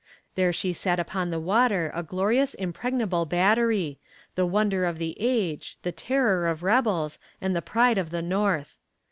There she sat upon the water a glorious impregnable battery, the wonder of the age, the terror of rebels, and the pride of the North.